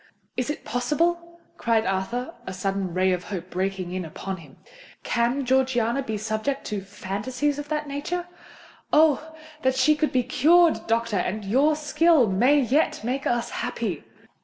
"Is it possible?" cried Arthur, a sudden ray of hope breaking in upon him. "Can Georgiana be subject to phantasies of that nature? Oh! then she can be cured, doctor—and your skill may yet make us happy!"